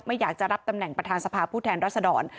ไม่อยากจะรับตำแหน่งประธานสภาผู้แทนรัศดร